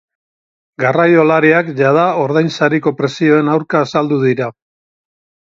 Garraiolariak jada ordainsariko prezioen aurka azaldu dira.